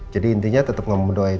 jadi intinya tetap ngomong doain